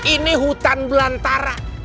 ini hutan belantara